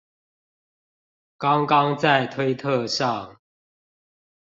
剛剛在推特上